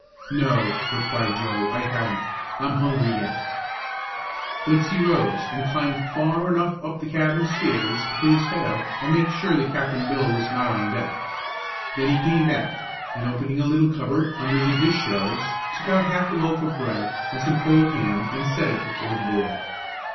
"No," replied Joe, "I haven't. I'm hungry yet." Blixey rose, and climbed far enough up the cabin stairs to put his head out and make sure that Captain Bill was not on deck. Then he came back, and opening a little cupboard under the dish shelves, took out half a loaf of bread and some cold ham, and set it before the boy.